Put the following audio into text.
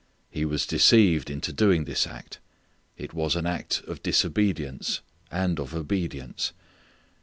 He was deceived into doing that act. It was an act of disobedience and of obedience.